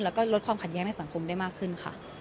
แล้วก็ลดความขัดแย้งในสังคมได้มากขึ้นค่ะ